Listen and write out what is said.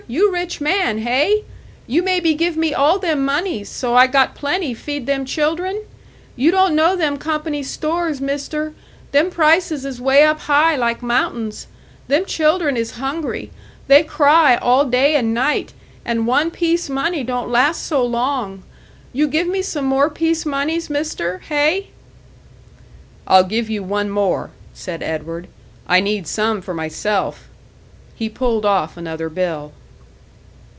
You rich man, hey! You maybe give me all them moneys, so I got plenty feed them children? You don't know them company stores, Mister, them prices is way up high like mountains; them children is hungry, they cry all day and night, and one piece money don't last so long. You give me some more piece moneys, Mister hey?" "I'll give you one more," said Edward. "I need some for myself." He pulled off another bill.